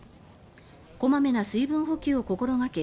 小まめな水分補給を心掛け